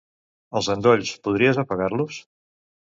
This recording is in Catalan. Els endolls, podries apagar-los?